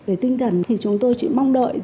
về tinh thần thì chúng tôi chỉ mong đợi